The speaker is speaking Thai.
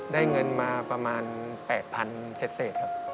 ได้เงินมาประมาณ๘๐๐๐เศษครับ